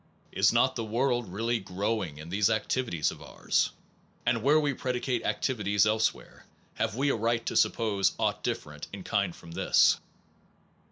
Is not the world really growing in these activities of ours? And where we predicate activities elsewhere, have we a right to suppose aught different in kind from this?